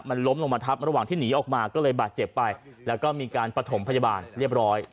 มันล้มลงมาทับระหว่างที่หนีออกมาก็เลยบาดเจ็บไปแล้วก็มีการประถมพยาบาลเรียบร้อย